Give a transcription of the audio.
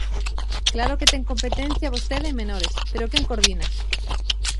Claro que ten competencia vostede en menores, pero ¿quen coordina?